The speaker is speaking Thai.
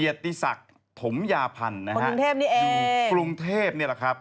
อยู่กรุ่งเทพนี่แหละครับ